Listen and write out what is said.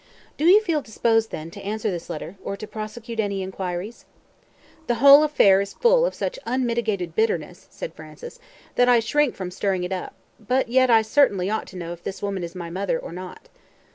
"Do you feel disposed, then, to answer this letter, or to prosecute any inquiries?" "The whole affair is full of such unmitigated bitterness," said Francis, "that I shrink from stirring it up; but yet I certainly ought to know if this woman is my mother or not.